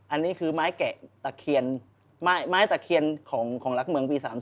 อันนี้คือไม้แกะตะเคียนไม้ตะเคียนของรักเมืองปี๓๔